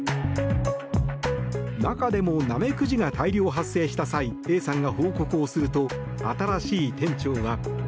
中でもナメクジが大量発生した際Ａさんが報告すると新しい店長は。